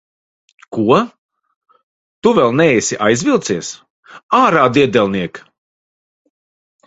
Ko? Tu vēl neesi aizvilcies? Ārā, diedelniek!